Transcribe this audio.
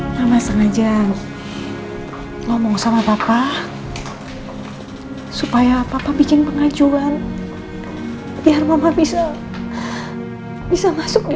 sama sengaja ngomong sama papa supaya papa bikin pengajuan biar bapak bisa bisa masuk ke